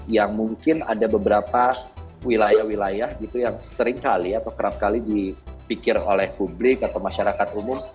yang mungkin ada beberapa wilayah wilayah gitu yang seringkali atau kerap kali dipikir oleh publik atau masyarakat umum